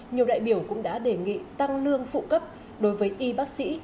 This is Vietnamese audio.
nhiều đại biểu cũng đã đề nghị tăng lương phụ cấp đối với y bác sĩ